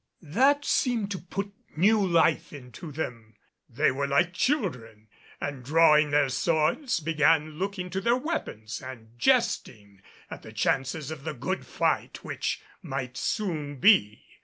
That seemed to put new life into them. They were like children and, drawing their swords, began looking to their weapons and jesting at the chances of the good fight which might soon be.